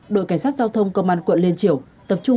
đội cảnh sát giao thông công an quận liên triều